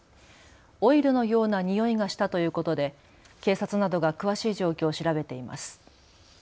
オイルのような臭いがしたということで警察などが詳しい状況を調べています。